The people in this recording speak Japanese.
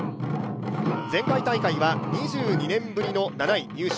前回大会は２２年ぶりの７位入賞。